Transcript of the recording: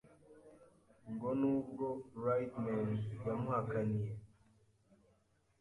Ngo n’ubwo Rideman yamuhakaniye